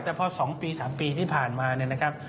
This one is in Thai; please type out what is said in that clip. แต่พอ๒ปี๓ปีที่ผ่านมาเนี่ยนะครับ